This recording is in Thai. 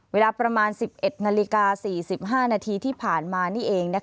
เวลาประมาณ๑๑นาฬิกา๔๕นาทีที่ผ่านมานี่เอง